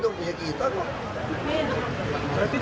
ya harusnya kita udah telah meletak